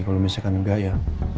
kalau misalkan enggak ya